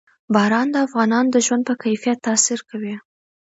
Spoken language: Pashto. باران د افغانانو د ژوند په کیفیت تاثیر کوي.